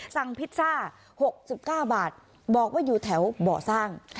พิซซ่า๖๙บาทบอกว่าอยู่แถวเบาะสร้าง